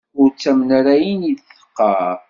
Ur ttamen ara ayen i d-teqqar.